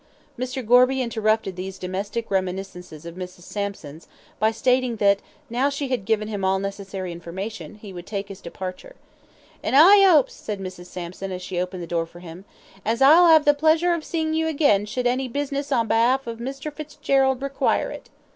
Mr. Gorby interrupted these domestic reminiscences of Mrs. Sampson's by stating that, now she had given him all necessary information, he would take his departure. "An' I 'opes," said Mrs. Sampson, as she opened the door for him, "as I'll 'ave the pleasure of seein' you again should any business on be'alf of Mr. Fitzgerald require it."